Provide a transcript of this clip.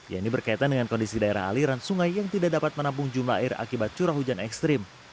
yang ini berkaitan dengan kondisi daerah aliran sungai yang tidak dapat menampung jumlah air akibat curah hujan ekstrim